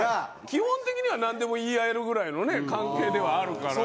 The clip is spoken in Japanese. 基本的にはなんでも言い合えるぐらいのね関係ではあるから。